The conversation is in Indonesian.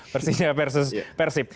persisnya versus persis